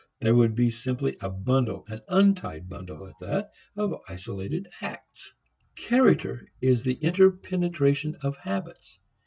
There would be simply a bundle, an untied bundle at that, of isolated acts. Character is the interpenetration of habits.